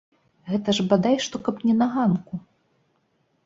Гэта ж бадай што каб не на ганку!